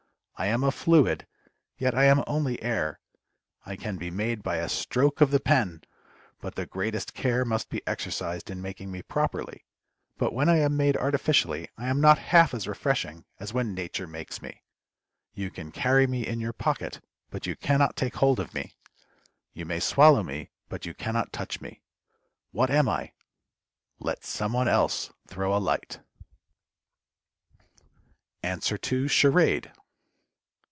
I am a fluid, yet I am only air. I can be made by a stroke of the pen, but the greatest care must be exercised in making me properly; but when I am made artificially I am not half as refreshing as when Nature makes me. You can carry me in your pocket, but you can not take hold of me. You may swallow me, but you can not touch me. What am I? Let some one else throw a light. =Answer to Charade.